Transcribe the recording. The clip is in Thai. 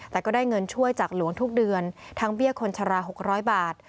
แต่ก็ได้เงินช่วยจากหลวงทุกเดือนทั้งเบี้ยคนชรา๖๐๐บาท